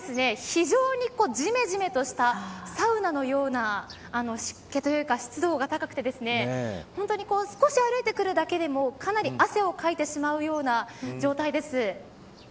非常にじめじめとしたサウナのような湿気というか湿度が高くて本当に少し歩いてくるだけでもかなり汗をかいてしまうような状態です。